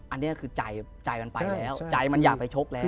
อันนี้คือใจมันไปแล้วใจมันอยากไปชกแล้ว